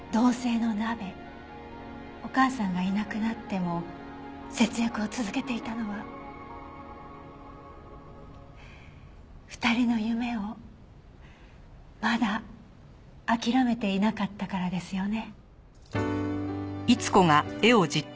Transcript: お母さんがいなくなっても節約を続けていたのは２人の夢をまだ諦めていなかったからですよね？